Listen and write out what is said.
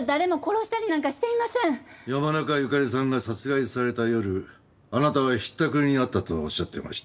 山中由佳里さんが殺害された夜あなたはひったくりに遭ったとおっしゃっていました。